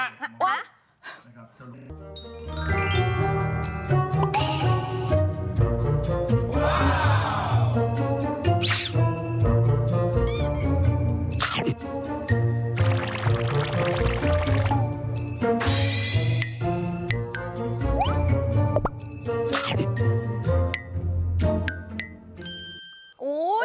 ครับเจ้าเลนส์